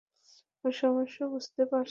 ওর সমস্যা বুঝতে পারছি।